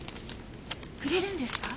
くれるんですか？